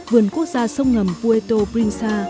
vườn quốc gia sông ngầm puerto princesa